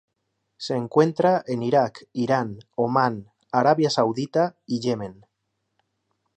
Se encuentra en Irak, Irán, Omán, Arabia Saudita y Yemen.